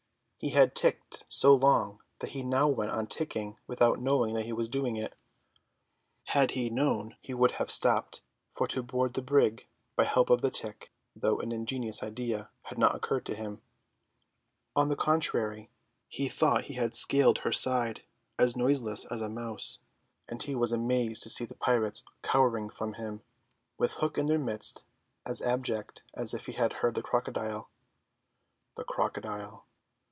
He had ticked so long that he now went on ticking without knowing that he was doing it. Had he known he would have stopped, for to board the brig by help of the tick, though an ingenious idea, had not occurred to him. On the contrary, he thought he had scaled her side as noiseless as a mouse; and he was amazed to see the pirates cowering from him, with Hook in their midst as abject as if he had heard the crocodile. The crocodile!